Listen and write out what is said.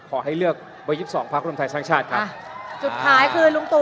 ขอให้เลือกเบอร์๒๒ภาครมไทยสร้างชาติครับ